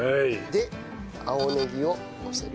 で青ネギをのせる。